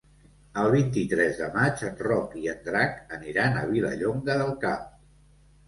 El vint-i-tres de maig en Roc i en Drac aniran a Vilallonga del Camp.